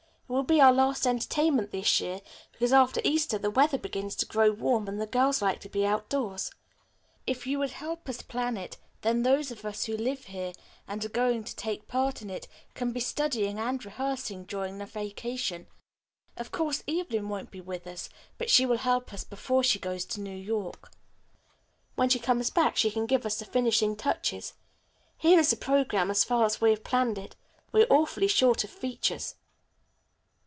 It will be our last entertainment this year, because after Easter the weather begins to grow warm and the girls like to be outdoors. If you would help us plan it, then those of us who live here, and are going to take part in it, can be studying and rehearsing during the vacation. Of course, Evelyn won't be with us, but she will help us before she goes to New York. When she comes back she can give us the finishing touches. Here is the programme as far as we have planned it. We are awfully short of features."